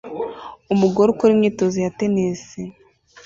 Umugore ukora imyitozo ya tennis